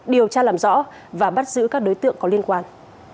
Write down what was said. điều tra làm rõ và bắt giữ các đối tượng có liên quan